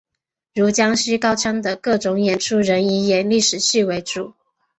如江西高腔的各种演出仍以演历史戏为主。